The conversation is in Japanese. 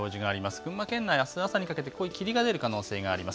群馬県内、あす朝にかけて濃い霧が出る可能性があります。